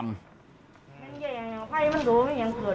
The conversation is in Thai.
เผาคมาจะพูดอะไรก็พูด